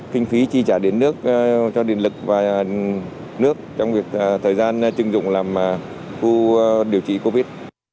kinh phí chi trả điện nước cho điện lực và nước trong thời gian chưng dụng làm khu điều trị covid